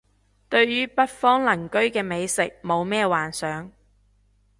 對於北方鄰居嘅美食冇咩幻想